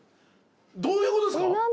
どういうことですか？